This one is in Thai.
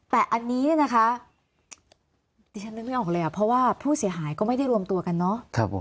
แต่อันนี้เนี่ยนะคะดิฉันนึกไม่ออกเลยอ่ะเพราะว่าผู้เสียหายก็ไม่ได้รวมตัวกันเนาะ